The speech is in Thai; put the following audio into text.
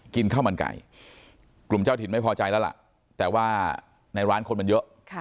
กินข้าวมันไก่กลุ่มเจ้าถิ่นไม่พอใจแล้วล่ะแต่ว่าในร้านคนมันเยอะ